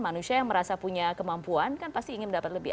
manusia yang merasa punya kemampuan kan pasti ingin mendapat lebih